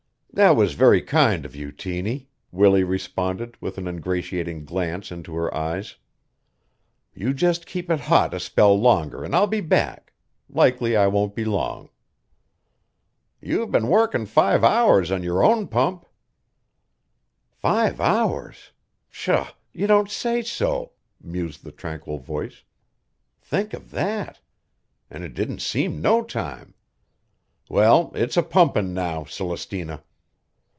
"That was very kind of you, Tiny," Willie responded with an ingratiating glance into her eyes. "You just keep it hot a spell longer, an' I'll be back. Likely I won't be long." "You've been workin' five hours on your own pump!" "Five hours? Pshaw! You don't say so," mused the tranquil voice. "Think of that! An' it didn't seem no time. Well, it's a pumpin' now, Celestina."